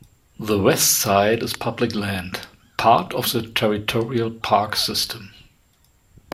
The west side is public land, part of the Territorial Park System.